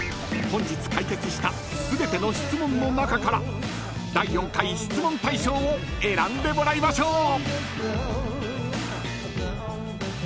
［本日解決した全ての質問の中から第４回質問大賞を選んでもらいましょう！］